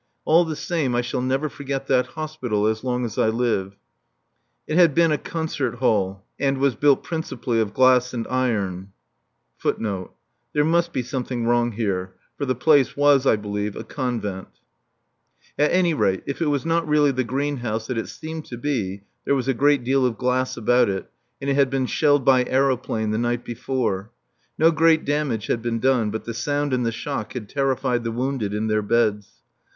All the same, I shall never forget that Hospital as long as I live. It had been a concert hall and was built principally of glass and iron; at any rate, if it was not really the greenhouse that it seemed to be there was a great deal of glass about it, and it had been shelled by aeroplane the night before. No great damage had been done, but the sound and the shock had terrified the wounded in their beds.